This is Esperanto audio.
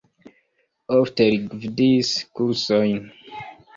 Ofte li gvidis kursojn.